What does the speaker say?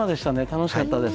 楽しかったです。